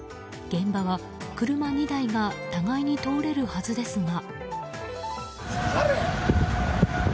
現場は車２台が互いに通れるはずですが。